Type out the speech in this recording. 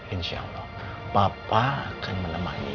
insyaallah papa akan menemani